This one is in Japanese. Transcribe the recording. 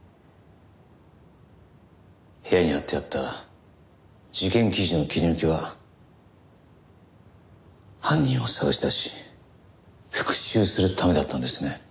部屋に貼ってあった事件記事の切り抜きは犯人を捜し出し復讐するためだったんですね。